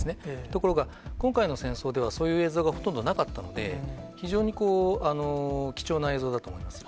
ところが、今回の戦争では、そういう映像がほとんどなかったので、非常に貴重な映像だと思います。